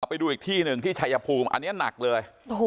ไปดูอีกที่หนึ่งที่ชายภูมิอันนี้หนักเลย